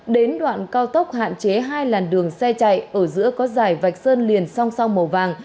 đến đoạn cao tốc hạn chế hai làn đường xe chạy ở giữa có dải vạch sơn liền song song màu vàng